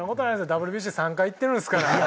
ＷＢＣ３回いってるんですから。